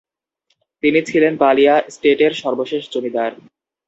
তিনি ছিলেন বালিয়া স্টেটের সর্বশেষ জমিদার।